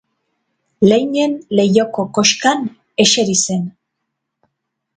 Leinen leihoko koxkan eseri zen.